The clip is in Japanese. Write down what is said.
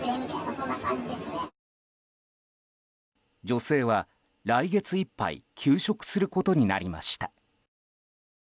女性は来月いっぱい休職することになりました。